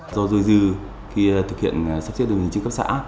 do dôi dư khi thực hiện sắp xếp đơn vị hành trình cấp xã